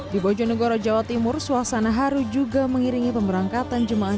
di bojonegoro jawa timur suasana haru juga mengiringi pemberangkatan jemaah